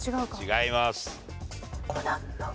違います。